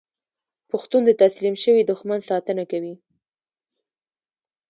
پښتون د تسلیم شوي دښمن ساتنه کوي.